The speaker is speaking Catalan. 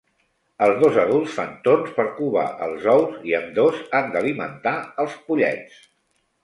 Els dos adults fan torns per covar els ous i ambdós han d'alimentar als pollets.